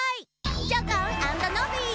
チョコンアンドノビー！